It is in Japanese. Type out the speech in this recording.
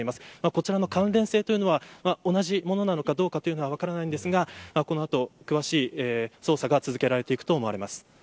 こちらの関連性というのは同じものなのかどうか分かりませんがこの後、詳しい捜査が続けられていくと思われます。